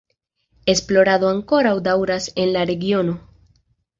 Esplorado ankoraŭ daŭras en la regiono.